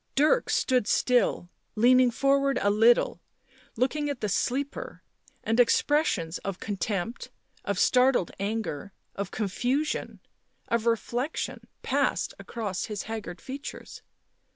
Dirk stood still, leaning forward a little, looking at the sleeper, and expressions of contempt, of startled anger, of confusion, of reflection passed across his haggard features.